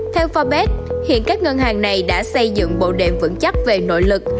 theo forbes hiện các ngân hàng này đã xây dựng bộ đệm vững chắc về nội lực